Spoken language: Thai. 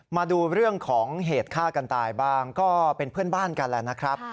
มาดูเรื่องของเหตุฆ่ากันตายบ้างก็เป็นเพื่อนบ้านกันแหละนะครับ